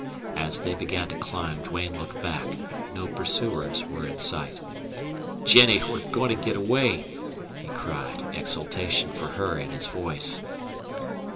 As they began to climb Duane looked back. No pursuers were in sight. "Jennie, we're going to get away!" he cried, exultation for her in his voice.